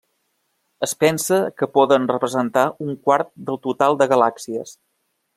Es pensa que poden representar un quart del total de galàxies.